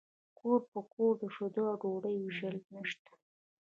کور په کور د شیدو او ډوډۍ ویشل نشته